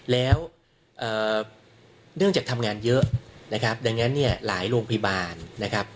แล้วเนื่องจากทำงานเยอะนะครับดังนั้นเนี่ยหลายโรงพยาบาลนะครับ